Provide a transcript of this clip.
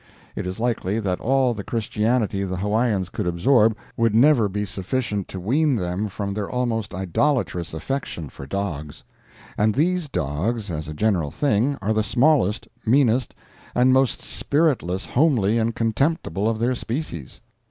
It is likely that all the Christianity the Hawaiians could absorb would never be sufficient to wean them from their almost idolatrous affection for dogs. And these dogs, as a general thing, are the smallest, meanest, and most spiritless, homely and contemptible of their species.